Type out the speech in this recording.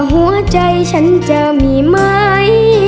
หัวใจฉันจะมีไหม